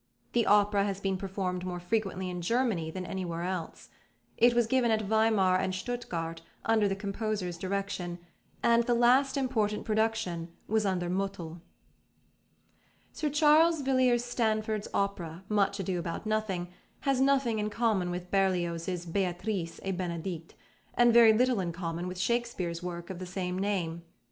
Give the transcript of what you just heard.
The opera has been performed more frequently in Germany than anywhere else. It was given at Weimar and Stuttgart under the composer's direction, and the last important production was under Mottl. +Sir Charles Villiers Stanford's+ opera, Much Ado About Nothing, has nothing in common with Berlioz's Béatrice et Bénédict, and very little in common with Shakespeare's work of the same name.